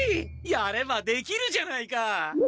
やればできるじゃないか！